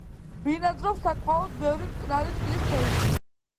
ბინადრობს საკმაოდ ბევრი მტკნარი წყლის თევზი.